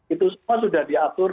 itu semua sudah diatur